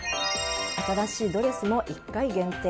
新しいドレスも１回限定。